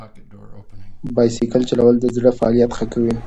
بایسکل چلول د زړه فعالیت ښه کوي.